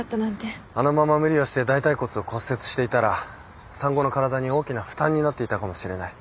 あのまま無理をして大腿骨を骨折していたら産後の体に大きな負担になっていたかもしれない。